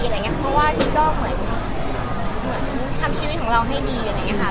เพราะว่าพีชก็เหมือนทำชีวิตของเราให้ดีอะไรอย่างนี้ค่ะ